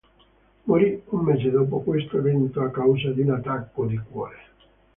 Morì un mese dopo questo evento, a causa di un attacco di cuore.